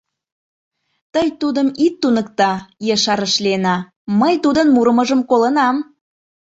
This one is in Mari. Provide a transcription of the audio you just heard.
— Тый тудым ит туныкто, — ешарыш Лена, — мый тудын мурымыжым колынам.